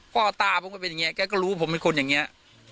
พ่อตาผมก็เป็นอย่างนี้แกก็รู้ผมเป็นคนอย่างนี้